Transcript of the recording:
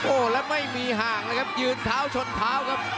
โอ้โหแล้วไม่มีห่างเลยครับยืนเท้าชนเท้าครับ